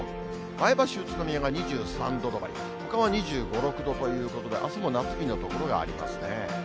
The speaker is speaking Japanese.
前橋、宇都宮が２３度止まり、ほかは２５、６度ということで、あすも夏日の所がありますね。